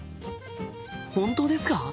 本当ですか！？